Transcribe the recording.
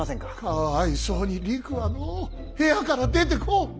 かわいそうにりくはのう部屋から出てこん。